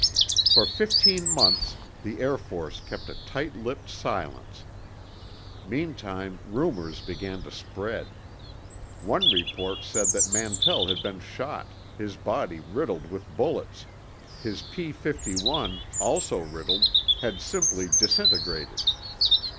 For fifteen months, the Air Force kept a tight lipped silence. Meantime, rumors began to spread. One report said that Mantell had been shot, his body riddled with bullets; his P 51, also riddled, had simply disintegrated.